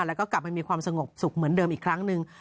แล้วก็กลับมามีความสงบสุขเหมือนเดิมอีกครั้งหนึ่ง